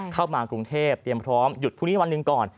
เข้ามากรุงเทพเตรียมพร้อมหยุดพรุ่งนี้วันหนึ่งก่อน